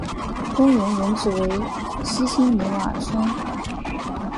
公园原址为西青泥洼村。